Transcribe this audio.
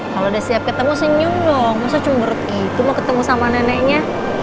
kalau udah siap ketemu senyum dong masa cumber gitu mau ketemu sama neneknya